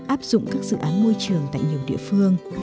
áp dụng các dự án môi trường tại nhiều địa phương